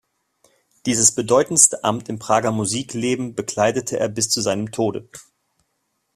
Dieses bedeutendste Amt im Prager Musikleben bekleidete er bis zu seinem Tode.